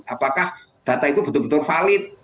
apakah data itu betul betul valid